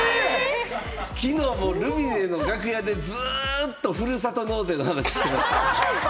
きのうルミネの楽屋でずっと、ふるさと納税の話してました。